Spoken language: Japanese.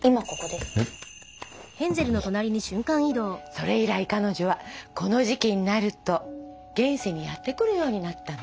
それ以来彼女はこの時期になると現世にやって来るようになったの。